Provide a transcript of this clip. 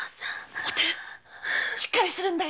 おてるしっかりするんだよ！